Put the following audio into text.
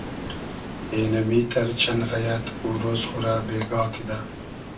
اېنئمیتئر چئن غئیئد او رۉز خو رۂ بېگا کیدۂ